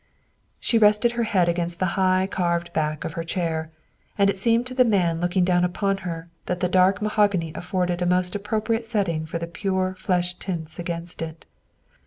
'' She rested her head against the high, carved back of her chair, and it seemed to the man looking down upon her that the dark mahogany afforded a most appropriate setting for the pure flesh tints against it.